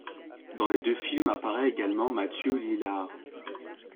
Dans les deux films apparaît également Matthew Lillard.